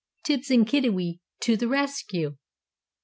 TIBBS AND KIDDIWEE TO THE RESCUE.